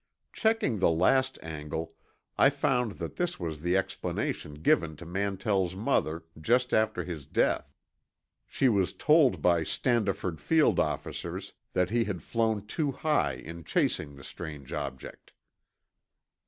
Checking the last angle, I found that this was the explanation given to Mantell's mother, just after his death, she was told by Standiford Field officers that he had flown too high in chasing the strange object.